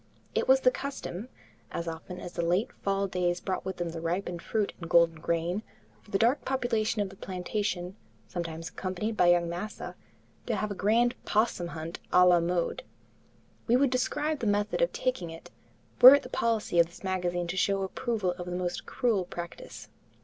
It was the custom, as often as the late fall days brought with them the ripened fruit and golden grain, for the dark population of the plantation, sometimes accompanied by young "massa," to have a grand 'possum hunt a la mode. We would describe the method of taking it, were it the policy of this magazine to show approval of a most cruel practice.